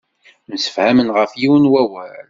Msefhamen ɣef yiwen n wawal.